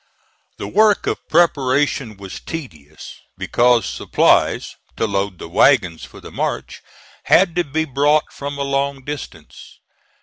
The work of preparation was tedious, because supplies, to load the wagons for the march, had to be brought from a long distance.